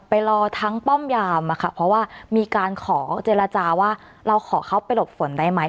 เพราะว่ามีการขอเจรจาว่าเราขอเขาไปหลบฝนได้ไหม